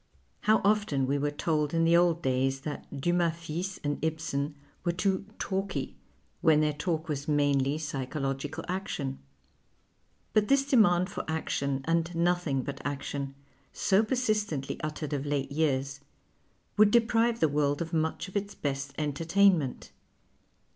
How often we were told in the old days that Dumas fils and Ibsen were too " talky," when their talk was mainly psychological action. lint this demand for action and nothing but action, so persistently uttered of late years, wo\ild deprive the world of nuieii of its best entertainment.